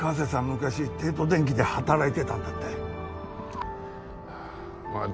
昔帝都電機で働いてたんだまあ